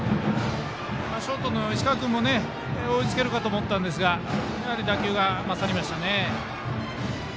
ショートの石川君も追いつけるかと思ったんですがやはり打球が勝りましたね。